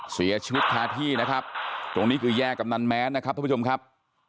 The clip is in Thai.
เสียชีวิตคาที่นะครับตรงนี้คือแยกกำนันแม้นนะครับทุกผู้ชมครับ